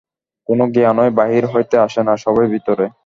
কোন জ্ঞানই বাহির হইতে আসে না, সবই ভিতরে।